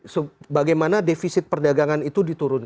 sebagai mana defisit perdagangan itu diturunkan